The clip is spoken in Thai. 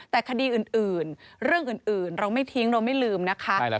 แต่คดีอื่นเรื่องอื่นเราไม่ทิ้งเราไม่ลืมนะคะ